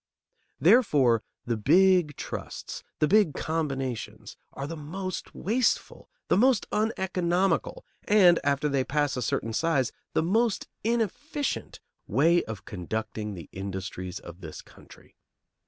Therefore the big trusts, the big combinations, are the most wasteful, the most uneconomical, and, after they pass a certain size, the most inefficient, way of conducting the industries of this country.